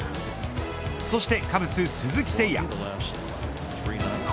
そして、カブス鈴木誠也。